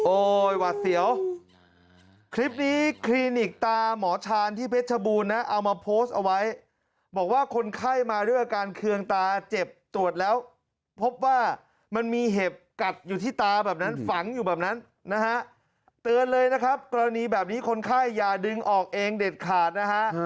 หวัดเสียวคลิปนี้คลินิกตาหมอชาญที่เพชรบูรณนะเอามาโพสต์เอาไว้บอกว่าคนไข้มาด้วยอาการเคืองตาเจ็บตรวจแล้วพบว่ามันมีเห็บกัดอยู่ที่ตาแบบนั้นฝังอยู่แบบนั้นนะฮะเตือนเลยนะครับกรณีแบบนี้คนไข้อย่าดึงออกเองเด็ดขาดนะฮะ